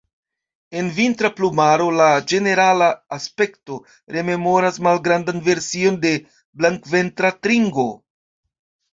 En vintra plumaro, la ĝenerala aspekto rememoras malgrandan version de Blankventra tringo.